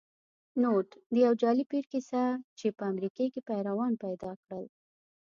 نوټ: د یو جعلې پیر کیسه چې امریکې کې پیروان پیدا کړل